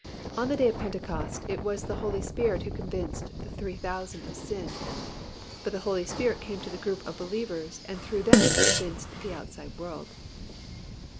On the Day of Pentecost, it was the Holy Spirit who convinced the 3,000 of sin, but the Holy Spirit came to the group of believers and through them convinced the outside world.